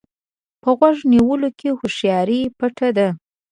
په غوږ نیولو کې هوښياري پټه ده.